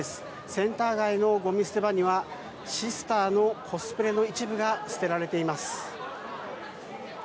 センター街のゴミ捨て場にはシスターのコスプレの一部が捨てられています。